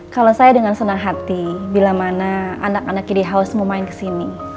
kalau saya dengan senang hati bila mana anak anak ini house mau main kesini